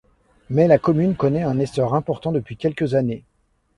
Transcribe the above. Mais la commune connaît un essor important depuis quelques années.